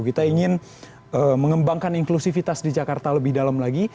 kita ingin mengembangkan inklusivitas di jakarta lebih dalam lagi